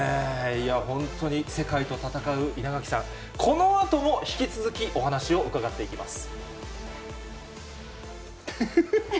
いや、本当に世界と戦う稲垣さん、このあとも引き続き、お話を伺っていきます。